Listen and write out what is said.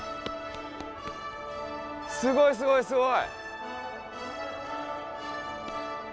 すごいすごい、すごい！